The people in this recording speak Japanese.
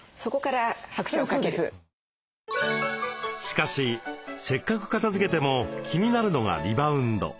しかしせっかく片づけても気になるのがリバウンド。